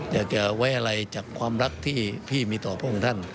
อยากจะไว้อะไรจากความรักที่พี่มีต่อพระองค์ท่าน